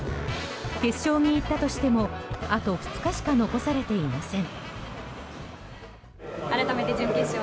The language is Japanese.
決勝に行ったとしてもあと２日しか残されていません。